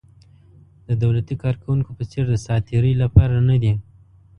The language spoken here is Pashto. د دولتي کارکوونکو په څېر د ساعت تېرۍ لپاره نه دي.